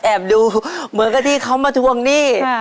ดูเหมือนกับที่เขามาทวงหนี้